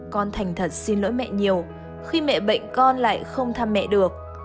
con thành thật xin lỗi mẹ nhiều khi mẹ bệnh con lại không thăm mẹ được